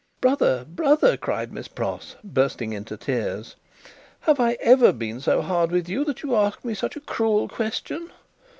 "Brother, brother!" cried Miss Pross, bursting into tears. "Have I ever been so hard with you that you ask me such a cruel question?"